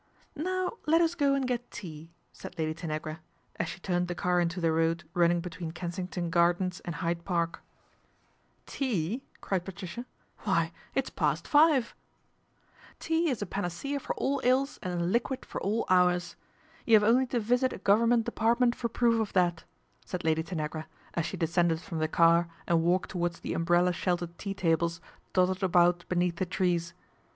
" Now let us go and get tea," said Lady Tanagra, is she turned the car into the road running between Kensington Gardens and Hyde Park. 216 PATRICIA BRENT, SPINSTER " Tea !" cried Patricia, " why it's past five/' " Tea is a panacea for all ills and a liquid for all hours. You have only to visit a Government Department for proof of that," said Lady Tanagra, as she descended from the car and walked towards the umbrella sheltered tea tables dotted about beneath the trees.